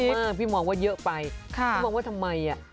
พี่มองว่าเยอะไปพี่มองว่าทำไมอ่ะ